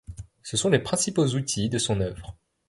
Ce sont les principaux outils de son œuvre.